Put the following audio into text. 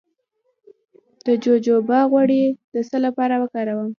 د جوجوبا غوړي د څه لپاره وکاروم؟